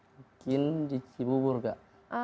mungkin di cibubur kak